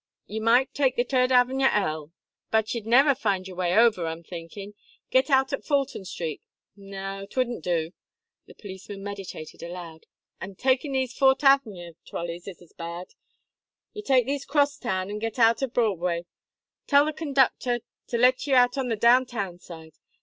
"You might take the T'ird Avner L, but ye'd niver find your way over, I'm thinkin' get out at Fulton Street no, 'twouldn't do!" the policeman meditated aloud. "An' takin' these Fourt' Avner trolleys is as bad. Ye take this crosstown, and get out at Broadway tell the conducther to let ye out on the downtown side.